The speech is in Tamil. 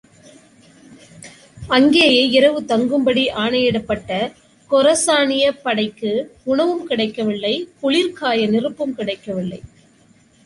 அங்கேயே, இரவு தங்கும்படி, ஆணையிடப்பட்ட கொரசானியப் படைக்கு உணவும் கிடைக்கவில்லை குளிர்காய நெருப்பும் கிடைக்கவில்லை.